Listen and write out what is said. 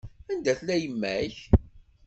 Anda tella yemma-k?